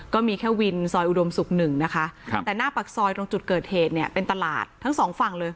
ก็มีแค่วินซอยอุดมศุกร์หนึ่งนะคะครับแต่หน้าปากซอยตรงจุดเกิดเหตุเนี่ยเป็นตลาดทั้งสองฝั่งเลย